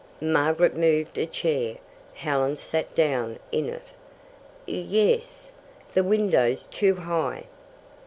Margaret moved a chair. Helen sat down in it. "Ye es. The window's too high."